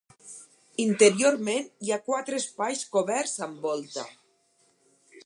Interiorment hi ha quatre espais coberts amb volta.